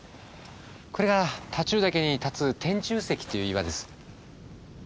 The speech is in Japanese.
これが太忠岳に立つ天柱石っていう岩です。